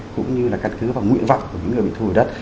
cũng như là căn cứ và nguyện vọng của những người bị thu hồi đất